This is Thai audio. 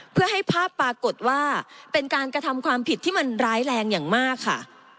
เพื่อให้ภาพปรากฏว่าเป็นการกระทำความผิดที่มันร้ายแรงอย่างมากค่ะ